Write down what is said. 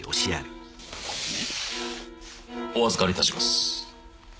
お預かり致します